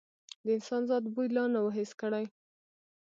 د انسان ذات بوی لا نه و حس کړی.